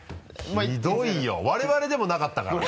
ひどいよ我々でもなかったからね。